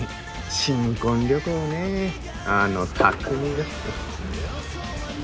新婚旅行ねあの匠が。